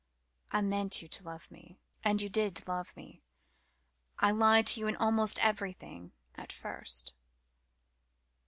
"I meant you to love me and you did love me. I lied to you in almost everything at first."